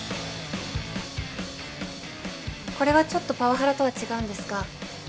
これはちょっとパワハラとは違うんですが